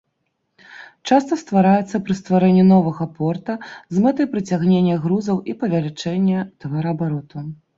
Часта ствараецца пры стварэнні новага порта з мэтай прыцягнення грузаў і павелічэння тавараабароту.